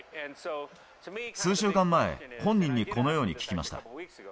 数週間前、本人にこのように聞きました。